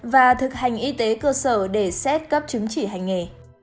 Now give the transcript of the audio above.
và thực hành y tế cơ sở để xét cấp chứng chỉ hành nghề